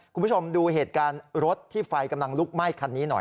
คุณผู้ชมดูเหตุการณ์รถที่ไฟกำลังลุกไหม้คันนี้หน่อย